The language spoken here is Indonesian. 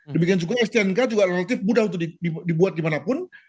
demikian juga stnk juga relatif mudah untuk dibuat dimanapun